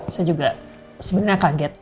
saya juga sebenernya kaget